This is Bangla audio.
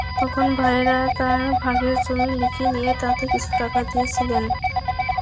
তখন ভাইয়েরা তাঁর ভাগের জমি লিখে নিয়ে হাতে কিছু টাকা দিয়েছিলেন।